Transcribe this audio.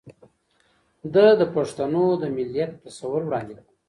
ده د پښتنو د مليت تصور وړاندې کړ